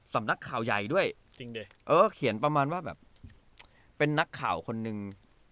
สำนักข่าวใหญ่ด้วยเขียนประมาณว่าเป็นนักข่าวคนหนึ่ง